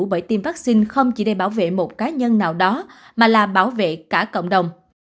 bởi tiêm vaccine không chỉ để bảo vệ một cá nhân nào đó mà là bảo vệ cả cộng đồng